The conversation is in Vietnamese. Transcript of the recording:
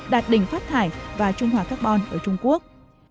đạt đỉnh phát thải và trung hòa carbon ở trung quốc